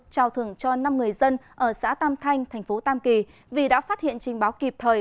chào thưởng cho năm người dân ở xã tam thanh tp tam kỳ vì đã phát hiện trình báo kịp thời